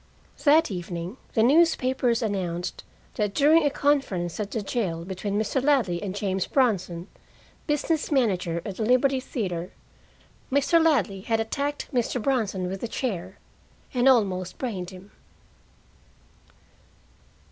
That evening the newspapers announced that during a conference at the jail between Mr. Ladley and James Bronson, business manager at the Liberty Theater, Mr. Ladley had attacked Mr. Bronson with a chair, and almost brained him.